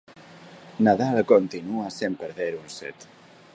Nadal continúa sen perder un set.